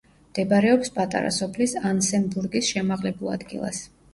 მდებარეობს პატარა სოფლის ანსემბურგის შემაღლებულ ადგილას.